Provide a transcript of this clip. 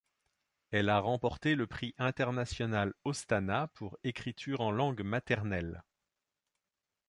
Elle a remporté le prix international Ostana pour écritures en langue maternelle.